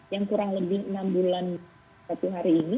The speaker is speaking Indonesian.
yang kurang lebih enam bulan satu hari ini